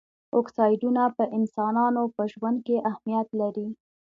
اکسایډونه په انسانانو په ژوند کې اهمیت لري.